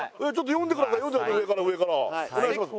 読んでください上から上からお願いします